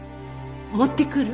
持ってくる？